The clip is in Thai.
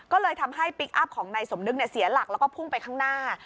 ก็เลยทำให้พลิกอัพของนายสมนึกเสียหลักแล้วก็พุ่งไปข้างหน้า